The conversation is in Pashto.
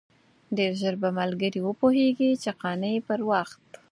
ډېر ژر به ملګري وپوهېږي چې قانع پر وخت.